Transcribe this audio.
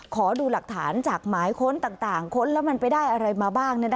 ขอดูหลักฐานจากหมายค้นต่างค้นแล้วมันไปได้อะไรมาบ้าง